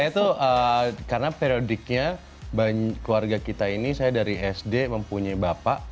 dan saya tuh karena periodiknya keluarga kita ini saya dari sd mempunyai bapak